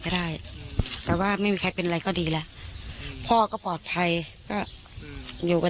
ก็ได้แต่ว่าไม่มีใครเป็นอะไรก็ดีแล้วพ่อก็ปลอดภัยก็อยู่กัน